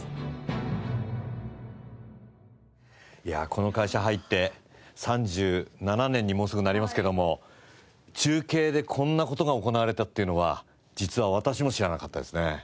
いやあこの会社入って３７年にもうすぐなりますけども中継でこんな事が行われてたっていうのは実は私も知らなかったですね。